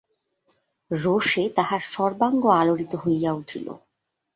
রােষে তাঁহার সর্বাঙ্গ আলােড়িত হইয়া উঠিল।